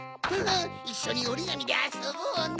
いっしょにおりがみであそぼうね！